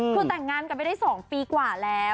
คือแต่งงานกันไปได้๒ปีกว่าแล้ว